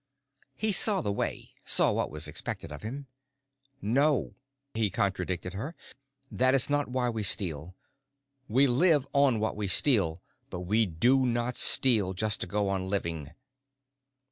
He saw the way, saw what was expected of him. "No," he contradicted her. "That's not why we steal. We live on what we steal, but we do not steal just to go on living."